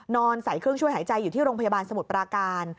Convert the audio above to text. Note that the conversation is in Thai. ใส่เครื่องช่วยหายใจอยู่ที่โรงพยาบาลสมุทรปราการ